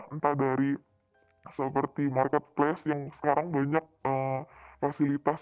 entah dari seperti marketplace yang sekarang banyak fasilitas